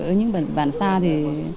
ở những bản xa thì